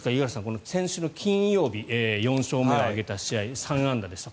この先週の金曜日４勝目を挙げた試合３安打でした。